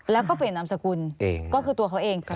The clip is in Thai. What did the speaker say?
แล้วก็เปลี่ยนนามสกุลก็คือตัวเขาเอง